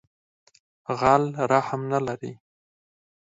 غل رحم نه لری